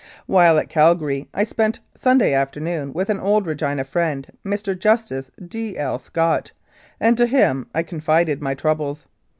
While at Calgary I spent Sunday afternoon with an old Regina friend, Mr. Justice D. L. Scott, and to him I confided my troubles.